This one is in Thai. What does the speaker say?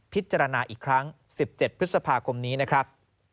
พิจารณาอีกครั้ง๑๗พฤษภาคมนี้นะครับ